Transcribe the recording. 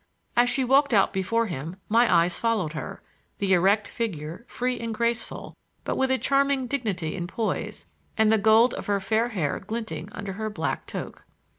As she walked out before him my eyes followed her,—the erect figure, free and graceful, but with a charming dignity and poise, and the gold of her fair hair glinting under her black toque.